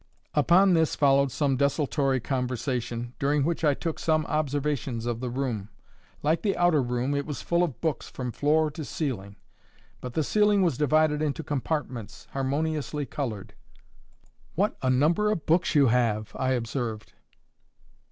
Upon this followed some desultory conversation, during which I took some observations of the room. Like the outer room, it was full of books from floor to ceiling. But the ceiling was divided into compartments, harmoniously coloured. "What a number of books you have!" I observed.